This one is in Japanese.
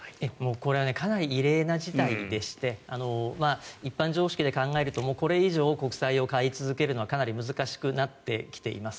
これはかなり異例な事態でして一般常識で考えるとこれ以上国債を買い続けるのはかなり難しくなってきています。